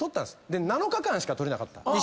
で７日間しか取れなかった。